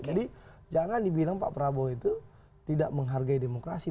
jadi jangan dibilang pak prabowo itu tidak menghargai demokrasi